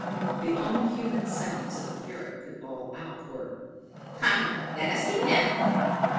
The only human sounds that the Parrot could bawl out were, "Come, let us be men!"